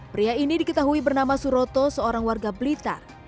pria ini diketahui bernama suroto seorang warga blitar